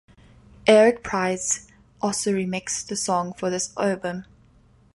Eric Prydz also remixed the song for this album.